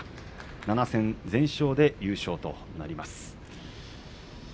７戦全勝で優勝となります。